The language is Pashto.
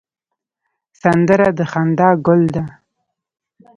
سندره د خندا ګل ده